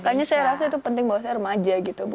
makanya saya rasa itu penting bahwa saya remaja gitu